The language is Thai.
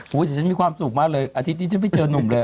เดี๋ยวฉันมีความสุขมากเลยอาทิตย์นี้ฉันไม่เจอนุ่มเลย